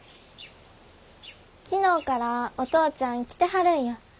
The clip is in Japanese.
昨日からお父ちゃん来てはるんよ。